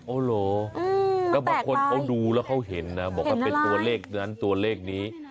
โอ้โหแล้วบางคนเขาดูแล้วเขาเห็นนะบอกว่าเป็นตัวเลขนั้นตัวเลขนี้